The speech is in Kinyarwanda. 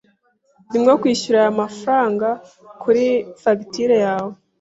Ndimo kwishyuza aya mafaranga kuri fagitire yawe.